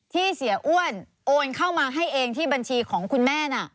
ที่เสียอ้วนโอนเข้ามาให้เองที่บัญชีของคุณแม่น่ะ